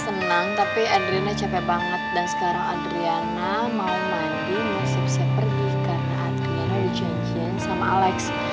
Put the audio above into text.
iya senang tapi adriana capek banget dan sekarang adriana mau mandi mau siap siap pergi karena adriana udah janjian sama alex